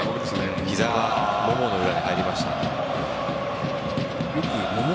膝がももの裏に入りました。